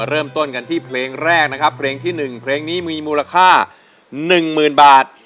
เริ่มต้นกันที่เพลงแรกนะครับเพลงที่๑เพลงนี้มีมูลค่า๑๐๐๐บาท